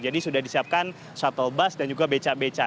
jadi sudah disiapkan shuttle bus dan juga beca beca